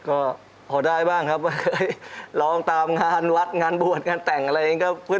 ก็พอได้บ้างครับก็เคยร้องตามงานวัดงานบวชงานแต่งอะไรอย่างนี้